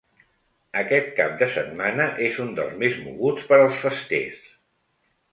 Aquest cap de setmana és un dels més moguts per als festers.